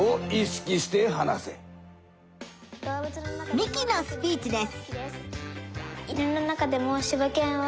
ミキのスピーチです。